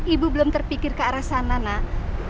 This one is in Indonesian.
ibu belum terpikir ke arah sana nak